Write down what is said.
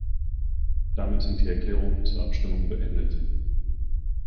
Damit sind die Erklärungen zur Abstimmung beendet.